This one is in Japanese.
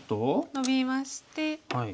ノビまして。